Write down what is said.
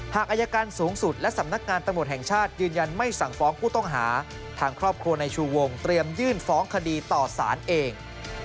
อายการสูงสุดและสำนักงานตำรวจแห่งชาติยืนยันไม่สั่งฟ้องผู้ต้องหาทางครอบครัวในชูวงเตรียมยื่นฟ้องคดีต่อสารเอง